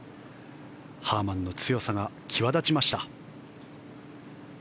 ハーマンの強さが際立ちました。